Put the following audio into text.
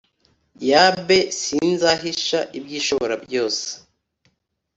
Yb sinzahisha iby Ishoborabyose